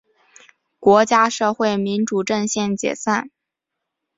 国家社会民主阵线解散。